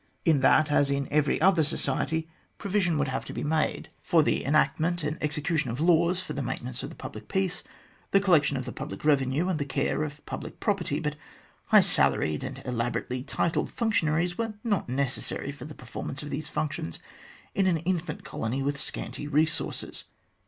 In that, as in every other society, provision would have to be made THE GENESIS OF THE GLADSTONE COLONY 19 for the enactment and execution of laws for the maintenance of the public peace, the collection of the public revenue, and the care of public property; but high salaried and elaborately titled functionaries were not necessary for the performance of these functions in an infant colony with scanty resources.